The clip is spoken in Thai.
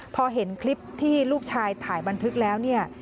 พอเห็นคลิปที่ลูกชายถ่ายบันทึกแล้วเนี่ย